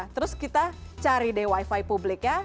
terus kita cari deh wifi publik ya